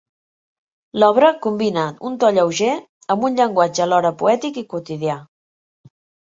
L'obra combina un to lleuger, amb un llenguatge alhora poètic i quotidià.